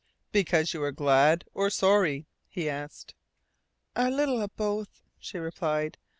"Because you were glad, or sorry?" he asked. "A little of both," she replied.